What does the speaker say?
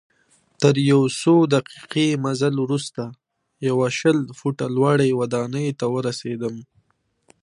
تر یو څو دقیقې مزل وروسته یوه شل فوټه لوړي ودانۍ ته ورسیدم.